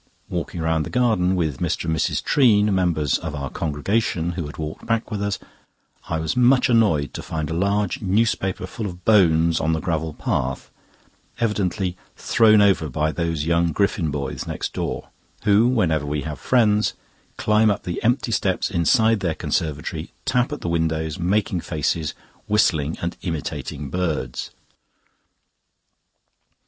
Walking round the garden with Mr. and Mrs. Treane, members of our congregation who had walked back with us, I was much annoyed to find a large newspaper full of bones on the gravel path, evidently thrown over by those young Griffin boys next door; who, whenever we have friends, climb up the empty steps inside their conservatory, tap at the windows, making faces, whistling, and imitating birds.